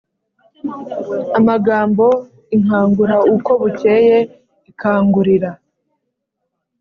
amagambo inkangura uko bukeye ikangurira